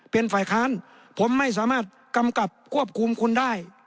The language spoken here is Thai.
เป็นฝ่ายค้านผมไม่สามารถกำกับควบคุมคุณได้